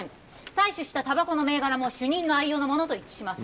採取したタバコの銘柄も主任の愛用のものと一致します